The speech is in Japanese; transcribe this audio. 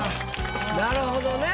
なるほどね。